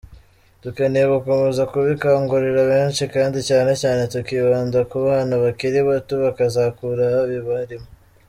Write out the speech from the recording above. Dukeneye gukomeza kubikangurira benshi kandi cyane cyane tukibanda ku bana bakiri bato bakazakura bibarimo.